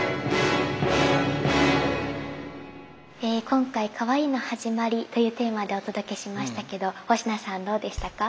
今回「かわいいの始まり」というテーマでお届けしましたけど星名さんどうでしたか？